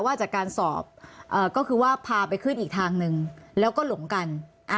ว่าจากการสอบก็คือว่าพาไปขึ้นอีกทางหนึ่งแล้วก็หลงกัน